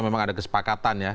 memang ada kesepakatan ya